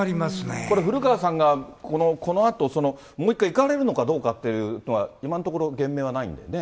これ、古川さんがこのあともう一回、行かれるのかどうかというのは、今のところ、言明はないんだよね？